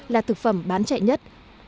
là thực phẩm bán chạy nhất